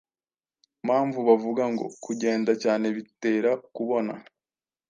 mpamvu bavuga ngo “kugenda cyane bitera kubona.”